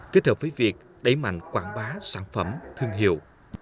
kết hợp với việc đẩy mạnh quảng bá sản phẩm thương hiệu